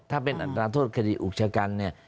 ถ้าเป็นอัตราโทษคดีอุกชะกันเนี่ย